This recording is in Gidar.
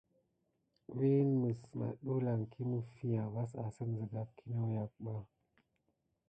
Wine mis madulanki mifia vaŋ ka amà vas asine sika à léklole ɓa.